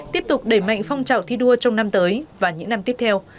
tiếp tục đẩy mạnh phong trào thi đua trong năm tới và những năm tiếp theo